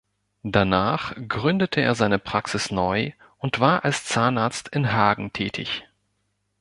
Danach gründete er seine Praxis neu und war als Zahnarzt in Hagen tätig.